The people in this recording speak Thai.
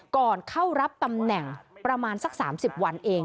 ก่อนเข้ารับตำแหน่งประมาณสัก๓๐วันเอง